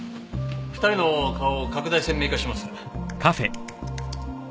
２人の顔を拡大鮮明化します。